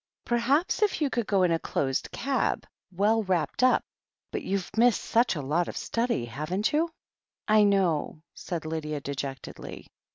Perhaps if you could go in a closed cab, well wrapped up. ... But you've missed such a lot of study, haven't you?" "I know," said Lydia dejectedly.